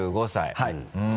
はい。